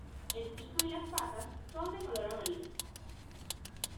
El pico y las patas son de color amarillo.